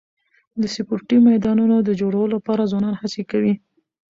د سپورټي میدانونو د جوړولو لپاره ځوانان هڅي کوي.